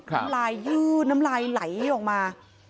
น้ำลายยืดน้ำลายไหลออกมา